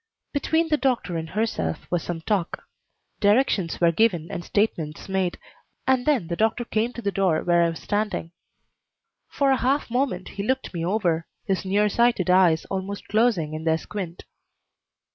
Between the doctor and herself was some talk. Directions were given and statements made, and then the doctor came to the door where I was standing. For a half moment he looked me over, his near sighted eyes almost closing in their squint.